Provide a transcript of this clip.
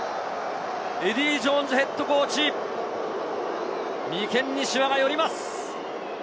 エディー・ジョーンズＨＣ、眉間にしわが寄ります。